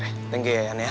apa lancar megangan